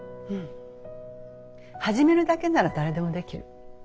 始めるだけなら誰でもできる。